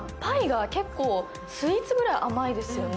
パイが結構スイーツくらい甘いですよね。